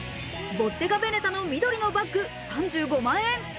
ボッデガ・ヴェネタの緑のバック３５万円。